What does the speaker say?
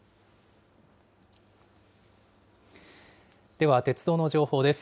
では、鉄道の情報です。